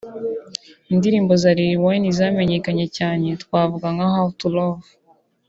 Indirimbo za Lil Wayne zamenyekanye cyane twavuga nka How To Love